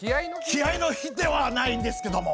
気合いの日ではないんですけども。